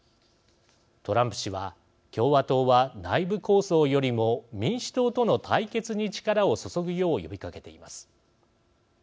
トランプ氏は共和党は内部抗争よりも民主党との対決に力を注ぐよう呼びかけています。